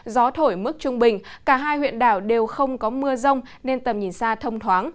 gió thổi mức trung bình cả hai huyện đảo đều không có mưa rông nên tầm nhìn xa thông thoáng